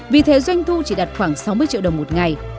vì thế doanh thu chỉ đặt khoảng sáu mươi triệu đồng mỗi ngày